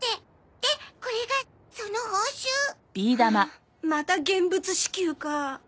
でこれがその報酬。はあまた現物支給か。